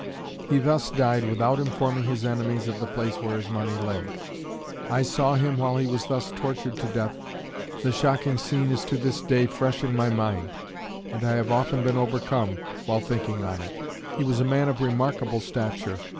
He thus died without informing his enemies of the place where his money lay. I saw him while he was thus tortured to death. The shocking scene is to this day fresh in my mind, and I have often been overcome while thinking on it. He was a man of remarkable stature.